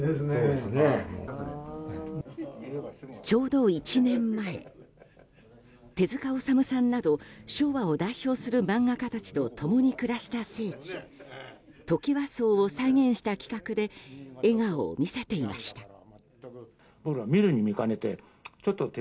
ちょうど１年前手塚治虫さんなど昭和を代表する漫画家たちと共に暮らした聖地トキワ荘を再現した企画で笑顔を見せていました。